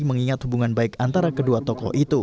mengingat hubungan baik antara kedua tokoh itu